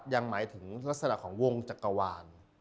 หมายถึงลักษณะของวงจักรวาล